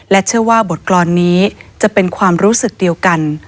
เชื่อว่าบทกรรมนี้จะเป็นความรู้สึกเดียวกัน